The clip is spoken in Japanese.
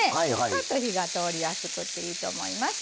ぱっと火が通りやすくていいと思います。